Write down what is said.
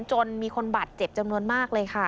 จนมีคนบาดเจ็บจำนวนมากเลยค่ะ